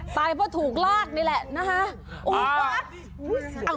ตายพอถูกลากนี่แหละนะฮะเอาฮลานี่แหละ